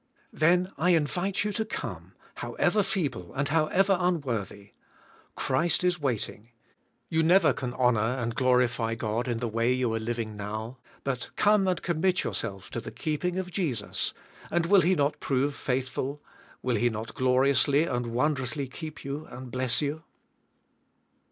Then I invite you to come, however feeble and however unworthy. Christ is waiting. You never can honor and glorify God in the way you are living now, but come and commit yourself to the keeping of Jesus, and will He not prove faithful? Will He not gloriously and won drously keep you and bless you?